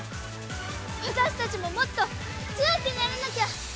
私たちももっと強くならなきゃ！